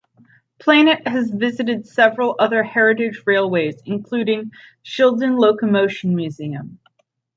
"Planet" has visited several other Heritage railways including Shildon Locomotion Museum.